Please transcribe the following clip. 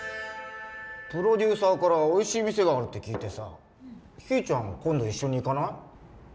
プロデューサーからおいしい店があるって聞いてさ、ひーちゃん、今度一緒に行かない？